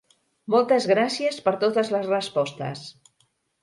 Moltes gràcies per totes les respostes!